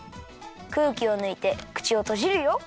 くうきをぬいてくちをとじるよ。